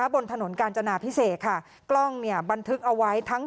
บนถนนกาญจนาพิเศษค่ะกล้องเนี่ยบันทึกเอาไว้ทั้ง